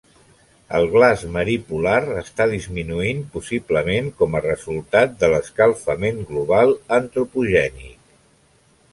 El glaç marí polar està disminuint, possiblement com a resultat de l'escalfament global antropogènic.